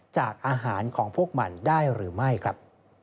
จากอาหารของพวกมันได้หรือไม่ครับ